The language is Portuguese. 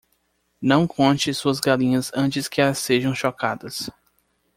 Não conte suas galinhas antes que elas sejam chocadas.